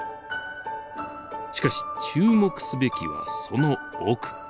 しかし注目すべきはその奥。